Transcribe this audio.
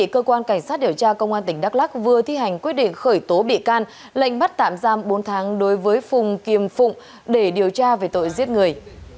cơ quan cảnh sát điều tra công an tỉnh đắk lắc vừa thi hành quyết định khởi tố bị can lệnh bắt tạm giam bốn tháng đối với phùng kiềm phụng để điều tra về tội giết người